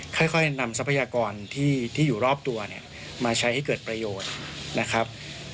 ค่อยนำทรัพยากรที่อยู่รอบตัวเนี่ยมาใช้ให้เกิดประโยชน์นะครับ